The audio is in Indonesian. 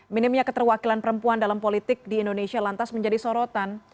minimnya keterwakilan perempuan dalam politik di indonesia lantas menjadi sorotan